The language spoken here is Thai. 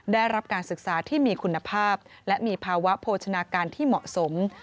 ได้รับการศึกษาที่มีคุณภาพและมีภาวะโภชนาการที่เหมาะสม